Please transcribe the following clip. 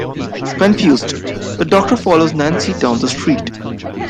Confused, the Doctor follows Nancy down the street.